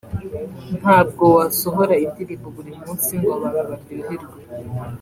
ntabwo wasohora indirimbo buri munsi ngo abantu baryoherwe